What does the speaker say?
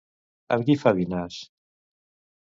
Amb qui fa dinars?